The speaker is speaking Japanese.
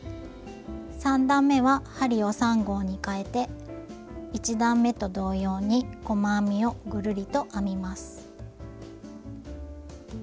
３段めは針を３号にかえて１段めと同様に細編みをぐるりと編みます。